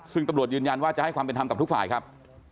ซึ่งตำรวจยืนยันว่าจะให้ความเป็นธรรมกับทุกฝ่ายครับ